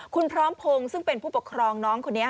คุณพร้อมพงศ์ซึ่งเป็นผู้ปกครองน้องคนนี้